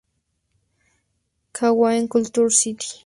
Kuwait Culture site.